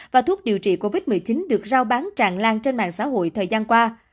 và thuốc điều trị covid một mươi chín được giao bán tràn lan trên mạng xã hội thời gian qua